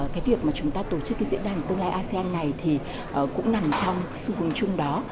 cái việc mà chúng ta tổ chức cái diễn đàn tương lai asean này thì cũng nằm trong xu hướng chung đó